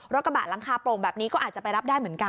กระบะหลังคาโปร่งแบบนี้ก็อาจจะไปรับได้เหมือนกัน